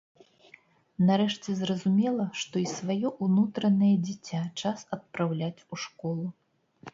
Нарэшце, зразумела, што і сваё ўнутранае дзіця час адпраўляць у школу!